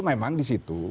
memang di situ